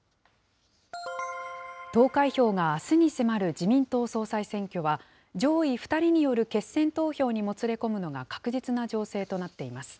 投開票があすに迫る自民党総裁選挙は、上位２人による決選投票にもつれ込むのが確実な情勢となっていま